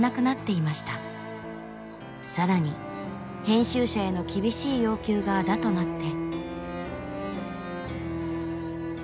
更に編集者への厳しい要求があだとなって。